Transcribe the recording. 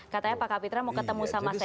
katanya pak kapitra mau ketemu sama saya